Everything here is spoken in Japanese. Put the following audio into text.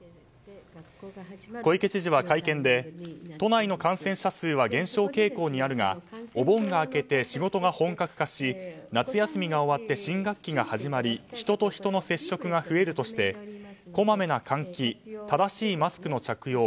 小池知事は会見で都内の感染者数は減少傾向にあるがお盆が明けて仕事が本格化し夏休みが終わって新学期が始まり人と人との接触が増えるとしこまめな換気正しいマスクの着用